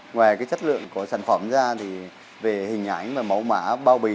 ngoài cái chất lượng của sản phẩm ra thì về hình ảnh và mẫu mã bao bì